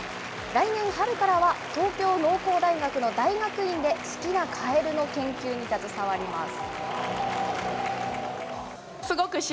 来年春からは東京農工大学の大学院で好きなカエルの研究に携わります。